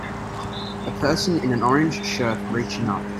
A person in an orange shirt reaching up.